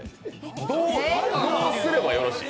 どうすればよろしい？